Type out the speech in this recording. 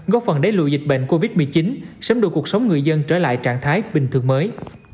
góp phần đáy lùi dịch bệnh covid một mươi chín sống đủ cuộc sống người dân trở lại trạng thái bình thường mới